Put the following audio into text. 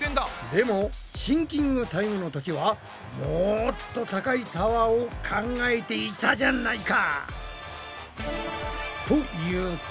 でもシンキングタイムの時はもっと高いタワーを考えていたじゃないか！